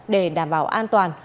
để đảm bảo an toàn